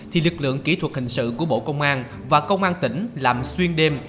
thì lực lượng kỹ thuật hình sự của bộ công an và công an tỉnh làm xuyên đêm